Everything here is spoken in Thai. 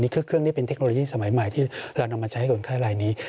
เครื่องนี้เป็นเทคโนโลยีสมัยใหม่ที่เรานำมาใช้คนไข้รายนี้